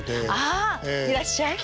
あっいらっしゃい。